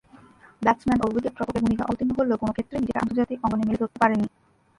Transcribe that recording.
Batsman ও উইকেট-রক্ষকের ভূমিকায় অবতীর্ণ হলেও কোন ক্ষেত্রেই নিজেকে আন্তর্জাতিক অঙ্গনে মেলে ধরতে পারেননি।